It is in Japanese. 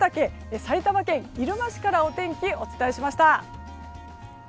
埼玉県入間市からお天気をお伝えしました。